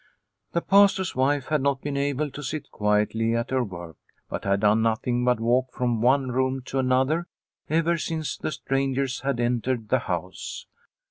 The Pastor's wife had not been able to sit quietly at her work, but had done nothing but walk from one room to another ever since the strangers had entered the house.